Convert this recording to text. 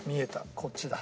こっちだ。